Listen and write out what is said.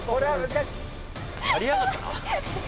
やりやがったな。